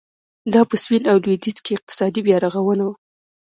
دا په سوېل او لوېدیځ کې اقتصادي بیارغونه وه.